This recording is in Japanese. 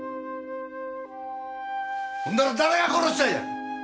そんなら誰が殺したんや？